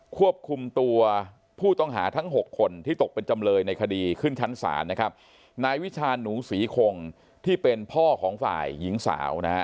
ควบคุมตัวผู้ต้องหาทั้งหกคนที่ตกเป็นจำเลยในคดีขึ้นชั้นศาลนะครับนายวิชาหนูศรีคงที่เป็นพ่อของฝ่ายหญิงสาวนะฮะ